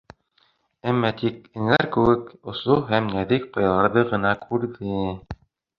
Әммә тик, энәләр кеүек, осло һәм нәҙек ҡаяларҙы ғына күрҙе.